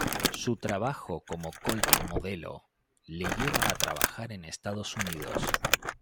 Su trabajo como "Colt modelo" le lleva a trabajar a Estados Unidos.